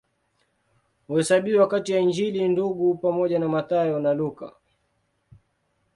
Huhesabiwa kati ya Injili Ndugu pamoja na Mathayo na Luka.